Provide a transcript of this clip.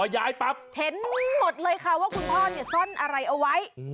เห็นหมดเลยค่ะว่าคุณพ่อซ่อนอะไรเอาไว้